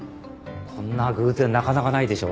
こんな偶然なかなかないでしょう。